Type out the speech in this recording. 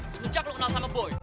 semenjak lo kenal sama boy